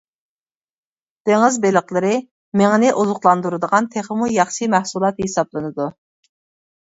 دېڭىز بېلىقلىرى مېڭىنى ئوزۇقلاندۇرىدىغان تېخىمۇ ياخشى مەھسۇلات ھېسابلىنىدۇ.